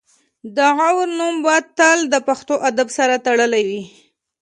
د غور نوم به تل د پښتو ادب سره تړلی وي